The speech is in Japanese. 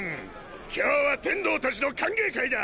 今日は天道たちの歓迎会だ。